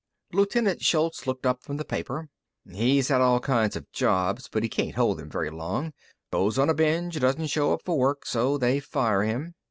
Lieutenant Shultz looked up from the paper. "He's had all kinds of jobs, but he can't hold 'em very long. Goes on a binge, doesn't show up for work, so they fire him.